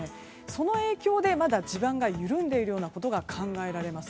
その影響でまだ地盤が緩んでいるようなことが考えられます。